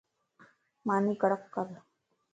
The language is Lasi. ماني ڪڙڪ ڪر